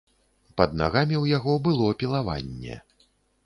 Пад нагамі ў яго было пілавінне.